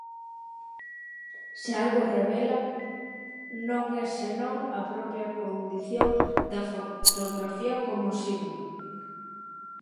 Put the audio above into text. Se algo revela, non é senón a propia condición da fotografía como signo.